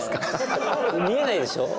見えないでしょ？